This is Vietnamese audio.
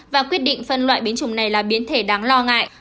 và quyết định phân loại biến trùng này là biến thể đáng lo ngại